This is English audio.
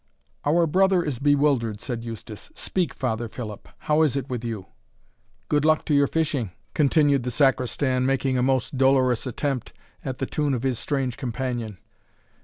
"Our brother is bewildered," said Eustace; "speak, Father Philip, how is it with you?" "Good luck to your fishing," continued the Sacristan, making a most dolorous attempt at the tune of his strange companion.